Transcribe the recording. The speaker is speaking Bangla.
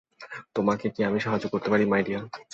তোমাকে কি আমি সাহায্য করতে পারি, মাই ডিয়ার?